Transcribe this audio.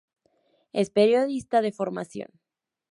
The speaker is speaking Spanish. Es periodista de formación.